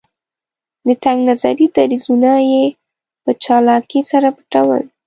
د تنګ نظري دریځونه یې په چالاکۍ سره پټول.